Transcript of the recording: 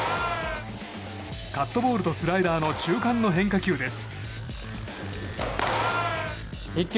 カットボールとスライダーの中間の変化球です。